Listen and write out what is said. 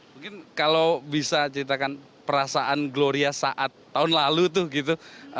mungkin kalau bisa ceritakan perasaan gloria saat tahun lalu tuh gitu